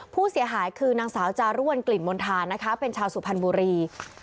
ผู้เสียหายคือนางสาวจารุวัลกลิ่นมณฑานะคะเป็นชาวสุพรรณบุรี